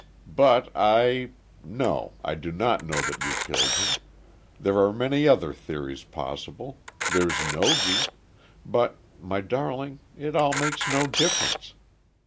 But I—no, I do not know that you killed him. There are many other theories possible—there's Nogi—but, my darling, it all makes no difference.